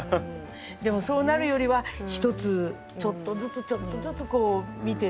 でもそうなるよりは一つちょっとずつちょっとずつ見てって。